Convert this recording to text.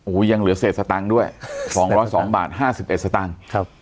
โอ้โหยังเหลือเศษสตังค์ด้วยสองร้อยสองบาทห้าสิบเอ็ดสตางค์ครับ